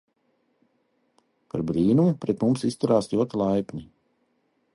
Par brīnumu pret mums izturās ļoti laipni.